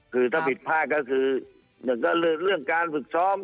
คือถ้าผิดพลาดก็คือเรื่องการฝึกช้อม